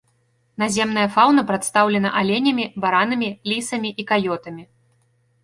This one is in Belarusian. Наземная фаўна прадстаўлена аленямі, баранамі, лісамі і каётамі.